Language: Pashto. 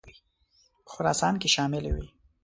په خراسان کې شاملي وې.